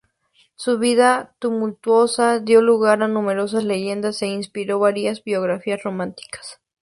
Su vida tumultuosa dio lugar a numerosas leyendas, e inspiró varias biografías románticas.